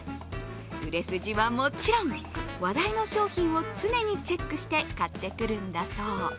売れ筋はもちろん、話題の商品を常にチェックして買ってくるんだそう。